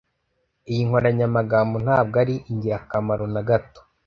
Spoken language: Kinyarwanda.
Iyi nkoranyamagambo ntabwo ari ingirakamaro na gato.